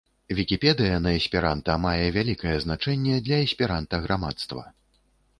Вікіпедыя на эсперанта мае вялікае значэнне для эсперанта-грамадства.